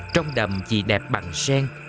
trong đầm chỉ đẹp bằng sen